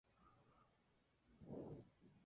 A la orilla del viento.